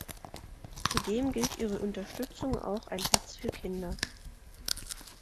Zudem gilt ihre Unterstützung auch Ein Herz für Kinder.